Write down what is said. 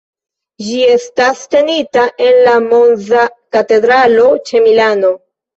Ĝi estas tenita en la Monza Katedralo, ĉe Milano.